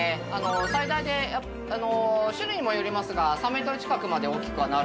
最大で種類にもよりますが３ｍ近くまで大きくはなるので。